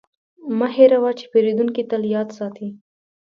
مه هېروه چې پیرودونکی تل یاد ساتي.